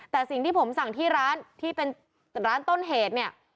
แต่สิ่งที่ผมสั่งที่ร้านที่เป็นร้านต้นเหตุเนี่ย